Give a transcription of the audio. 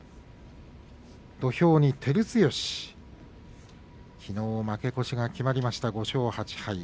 土俵に照強きのう負け越しが決まりました、５勝８敗。